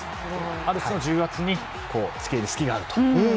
ある種の重圧に付け入る隙があると。